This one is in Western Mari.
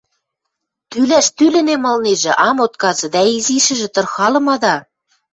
– Тӱлӓш тӱлӹнем ылнежӹ, ам отказы, дӓ изишӹжӹ тырхалымада.